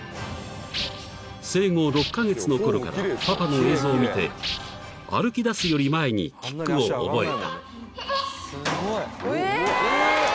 ［生後６カ月のころからパパの映像を見て歩きだすより前にキックを覚えた］